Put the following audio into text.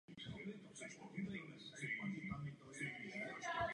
Chci také zdůraznit zvláštní situaci dětských přistěhovalců.